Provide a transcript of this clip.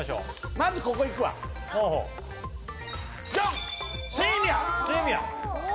まずここいくわジャン！